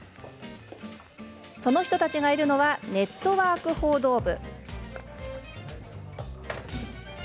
その人たちがいるのはネットワーク報道部。